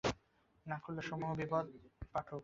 না খুললে সমূহ বিপদ পাঠক।